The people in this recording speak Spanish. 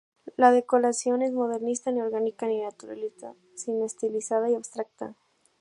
La decoración es modernista, ni orgánica, ni naturalista sino estilizada y abstracta.